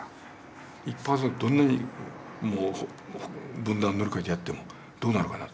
１％どんなに分断乗り越えてやってもどうなるかな。